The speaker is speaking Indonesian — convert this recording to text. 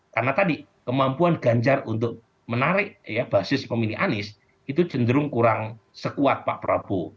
karena tadi kemampuan ganjar untuk menarik basis pemilih anies itu jendrung kurang sekuat pak prabowo